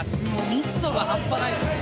密度が半端ないですね。